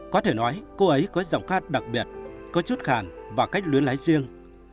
có thể nói cô ấy có giọng ca đặc biệt có chút khẳng và cách luyến lái riêng